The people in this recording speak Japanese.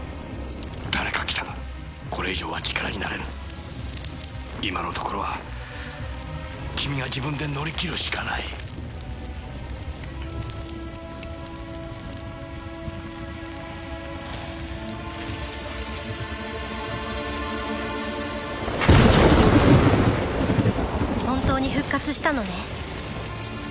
誰か来たこれ以上は力になれぬ今のところは君が自分で乗り切るしかない本当に復活したのね